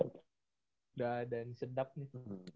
udah ada yang sedap gitu